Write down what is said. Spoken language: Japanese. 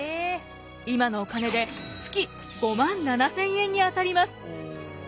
今のお金で月５万７，０００円にあたります。